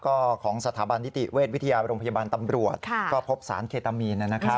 ก็ของสถาบันนิติเวชวิทยาโรงพยาบาลตำรวจก็พบสารเคตามีน